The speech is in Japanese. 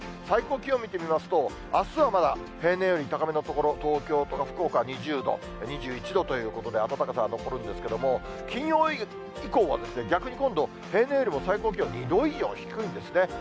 最高気温見てみますと、あすはまだ平年より高めの所、東京とか福岡２０度、２１度ということで、暖かさは残るんですけれども、金曜以降は逆に今度、平年よりも最高気温２度以上低いんですね。